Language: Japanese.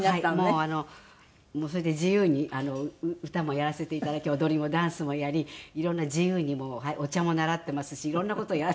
もうそれで自由に歌もやらせていただき踊りもダンスもやりいろんな自由にもうお茶も習ってますしいろんな事をやらせていただいております。